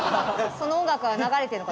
その音楽が流れてるかも。